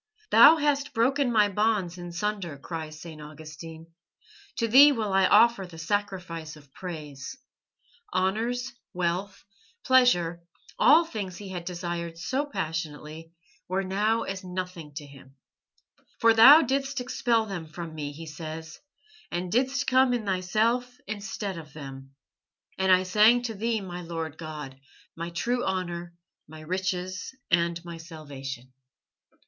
"Thou hast broken my bonds in sunder," cries St. Augustine, "to Thee will I offer the sacrifice of praise." Honours, wealth, pleasure, all the things he had desired so passionately, were now as nothing to him. "For Thou didst expel them from me," he says, "and didst come in Thyself instead of them. And I sang to Thee, my Lord God, my true honour, my riches, and my salvation."